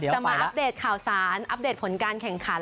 จะมาอัปเดตข่าวสารอัปเดตผลการแข่งขัน